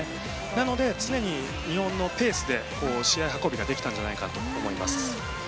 なので常に日本のペースで試合運びができたんじゃないかと思います。